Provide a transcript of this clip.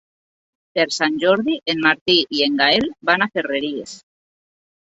Per Sant Jordi en Martí i en Gaël van a Ferreries.